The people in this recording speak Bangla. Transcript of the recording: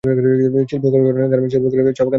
শিল্প ও কলকারখানা গার্মেন্টস শিল্প, ছাপাখানা।